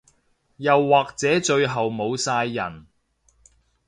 又或者最後冇晒人